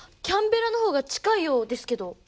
キャンベラのほうが近いようですけど。